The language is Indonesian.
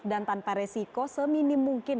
dan tanpa resiko seminim mungkin